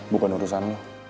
bukan urusan lo